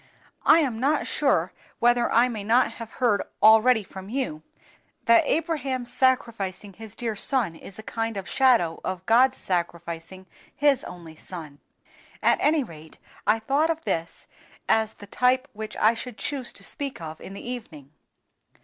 "I am not sure whether I may not have heard already from you that Abraham's sacrificing his dear son is a kind of shadow of God's sacrificing His only Son; at any rate, I thought of this as the type which I should choose to speak of in the evening."